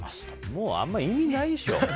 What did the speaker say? もうあんま意味ないでしょ。